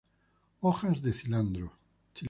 Hojas de cilantro.